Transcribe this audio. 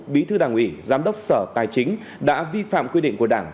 bí thư đảng ủy giám đốc sở tài chính đã vi phạm quy định của đảng